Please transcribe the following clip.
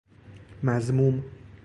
مذموم